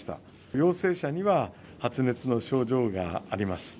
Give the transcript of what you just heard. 陽性者には発熱の症状があります。